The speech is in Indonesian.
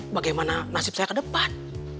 bagaimana nasib saya kedepan